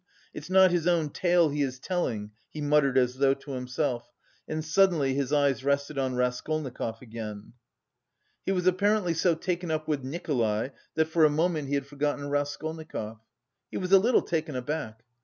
"It's not his own tale he is telling," he muttered as though to himself, and suddenly his eyes rested on Raskolnikov again. He was apparently so taken up with Nikolay that for a moment he had forgotten Raskolnikov. He was a little taken aback.